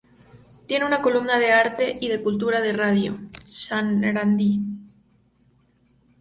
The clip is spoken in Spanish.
Tiene una columna de arte y cultura en Radio Sarandí.